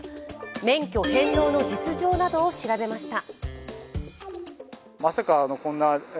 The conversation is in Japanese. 免許返納の実情などを調べました。